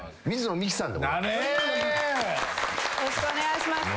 よろしくお願いします。